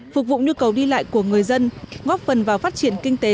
phục vụ nhu cầu đi lại của người dân góp phần vào phát triển kinh tế